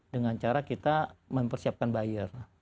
dengan cara kita mempersiapkan buyer